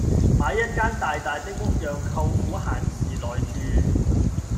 買一間大大的屋讓舅父閒時來住